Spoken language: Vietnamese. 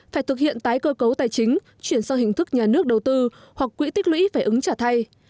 phải thực hiện tái cơ cấu tài chính chuyển sang hình thức nhà nước đầu tư hoặc quỹ tích lũy phải ứng trả thay